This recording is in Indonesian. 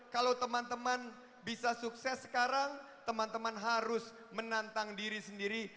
kalau teman teman bisa sukses sekarang teman teman harus menantang diri sendiri